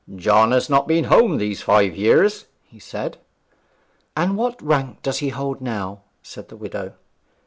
'John has not been home these five years,' he said. 'And what rank does he hold now?' said the widow.